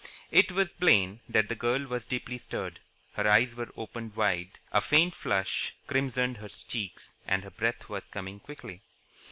It was plain that the girl was deeply stirred. Her eyes were opened wide, a faint flush crimsoned her cheeks, and her breath was coming quickly.